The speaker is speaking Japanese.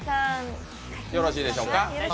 よろしいでしょうか？